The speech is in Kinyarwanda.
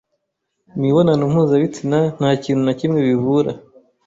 imibonano mpuzabitsina nta kintu na kimwe bivura